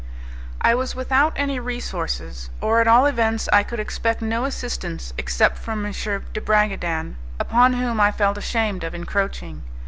I was without any resources, or at all events I could expect no assistance except from M. de Bragadin upon whom I felt ashamed of encroaching.